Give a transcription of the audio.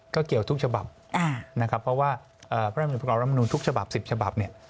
ก็เกี่ยวทุกฉบับนะครับเพราะว่าพระราชนิดประกอบรัฐมนุนทุกฉบับ๑๐ฉบับ